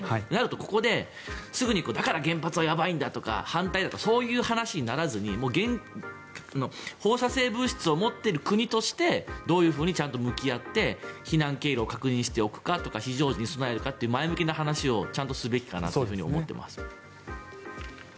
そうなると、ここですぐにだから原発はやばいんだとか反対だとかそういう話にならずに放射性物質を持っている国としてどういうふうにちゃんと向き合って避難経路を確認しておくかとか非常時に備えるかっていう前向きな話をちゃんとすべきかなと思っています。